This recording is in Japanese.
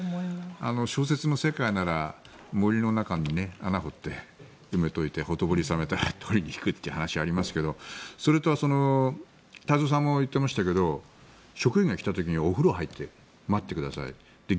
小説の世界なら森の中に穴を掘って埋めておいてほとぼりが冷めたら取りに行くという話がありますけどそれと太蔵さんも言っていましたが職員が来た時にお風呂に入って待ってくださいって。